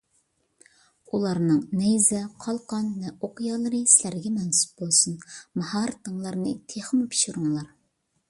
ئۇلارنىڭ نەيزە، قالقان ۋە ئوق يالىرى سىلەرگە مەنسۇپ بولسۇن، ماھارىتىڭلارنى تېخىمۇ پىشۇرۇڭلار.